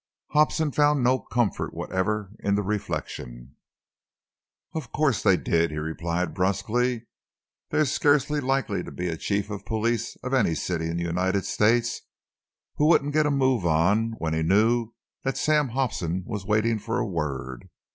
Hobson found no comfort whatever in the reflection. "Of course they did," he replied brusquely. "There's scarcely likely to be a chief of police of any city in the United States who wouldn't get a move on when he knew that Sam Hobson was waiting for a word.